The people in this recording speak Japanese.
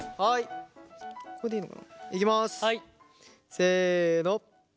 せの！